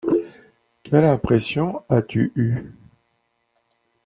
Quelle impression as-tu eue ?